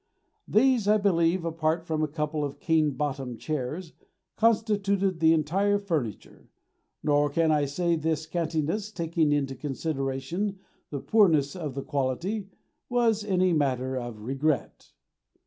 These, I believe, apart from a couple of cane bottomed chairs, constituted the entire furniture, nor can I say this scantiness, taking into consideration the poorness of the quality, was any matter of regret.